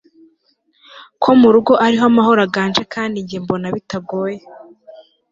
ko mu rugo ariho amahoro aganje kandi njye mbona bitagoye